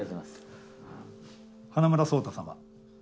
「花村想太様